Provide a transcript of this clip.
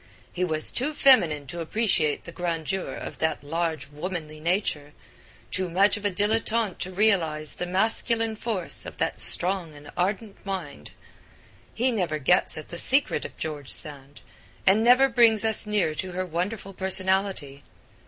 He was too feminine to appreciate the grandeur of that large womanly nature, too much of a dilettante to realise the masculine force of that strong and ardent mind. He never gets at the secret of George Sand, and never brings us near to her wonderful personality.